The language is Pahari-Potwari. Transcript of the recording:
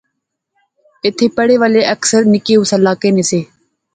ایتھیں پڑھے والے اکثر نکے اس علاقے نے سے